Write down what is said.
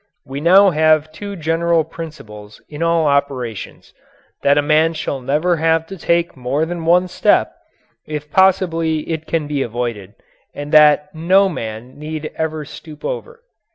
We now have two general principles in all operations that a man shall never have to take more than one step, if possibly it can be avoided, and that no man need ever stoop over.